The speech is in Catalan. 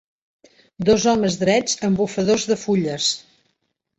Dos homes drets amb bufadors de fulles.